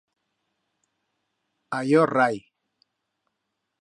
A yo, rai.